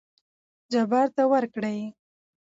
جبار ته ورکړې.